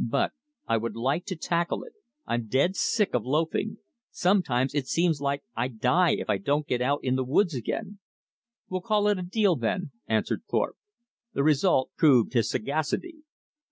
"But I would like to tackle it, I'm dead sick of loafing. Sometimes it seems like I'd die, if I don't get out in the woods again." "We'll call it a deal, then," answered Thorpe. The result proved his sagacity.